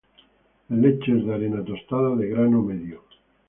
El lecho es de arena tostada de grano medio.